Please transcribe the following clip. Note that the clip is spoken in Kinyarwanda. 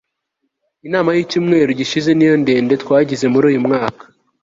inama yicyumweru gishize niyo ndende twagize muri uyumwaka